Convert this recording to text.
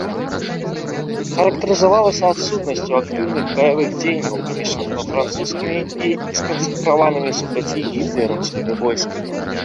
Характарызавалася адсутнасцю актыўных баявых дзеянняў паміж англа-французскімі і сканцэнтраванымі супраць іх гітлераўскімі войскамі.